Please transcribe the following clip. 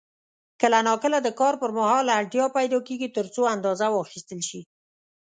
کله نا کله د کار پر مهال اړتیا پیدا کېږي ترڅو اندازه واخیستل شي.